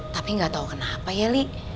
tapi gatau kenapa ya li